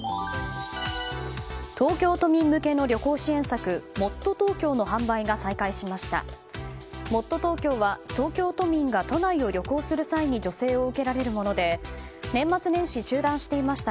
東京都民向けの旅行支援策もっとＴｏｋｙｏの販売が再開しました。